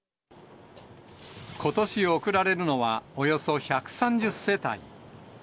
ことし贈られるのは、およそ１３０世帯。